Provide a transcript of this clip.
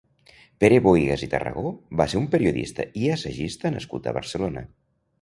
Pere Bohigas i Tarragó va ser un periodista i assagista nascut a Barcelona.